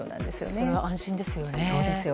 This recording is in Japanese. それは安心ですよね。